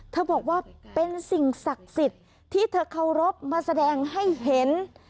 บอกว่าเป็นสิ่งศักดิ์สิทธิ์ที่เธอเคารพมาแสดงให้เห็น